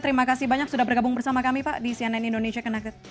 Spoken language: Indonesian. terima kasih banyak sudah bergabung bersama kami pak di cnn indonesia connected